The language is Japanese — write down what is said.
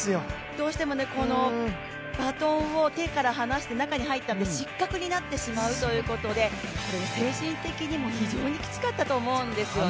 どうしてもバトンを手から離して中に入ったんで失格になってしまうということでこれは精神的にも非常にきつかったと思うんですよね。